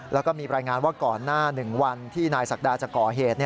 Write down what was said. แล้วก็มีรายงานว่าก่อนหน้า๑วันที่นายศักดาจะก่อเหตุ